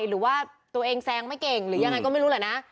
หรือว่าตัวเองแซงไม่เก่งหรือยังไงก็ไม่รู้แหละนะ